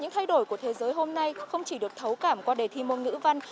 những thay đổi của thế giới hôm nay không chỉ được thấu cảm qua đề thi môn ngữ văn